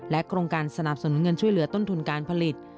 โครงการสนับสนุนเงินช่วยเหลือต้นทุนการผลิต